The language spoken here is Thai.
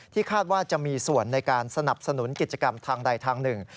คาดว่าจะมีส่วนในการสนับสนุนกิจกรรมทางใดทางหนึ่ง